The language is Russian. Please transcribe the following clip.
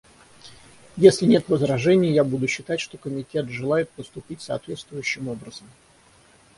Если нет возражений, я буду считать, что Комитет желает поступить соответствующим образом.